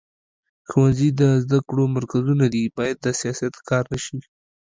ښوونځي د زده کړو مرکزونه دي، باید د سیاست ښکار نه شي.